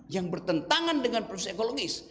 yang bertentangan dengan proses ekologis